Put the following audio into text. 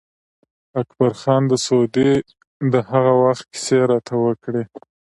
اکبر خان د سعودي د هغه وخت کیسې راته وکړې.